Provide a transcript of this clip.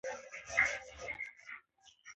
اصلاحات بې زغمه نه کېږي